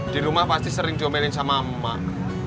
di rumah pasti sering diomenin sama emak